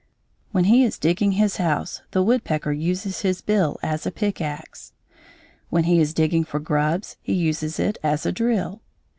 When he is digging his house the woodpecker uses his bill as a pick axe. When he is digging for grubs he uses it as a drill.